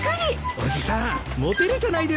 伯父さんモテるじゃないですか。